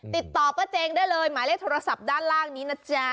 ติดต่อป้าเจงได้เลยหมายเลขโทรศัพท์ด้านล่างนี้นะจ๊ะ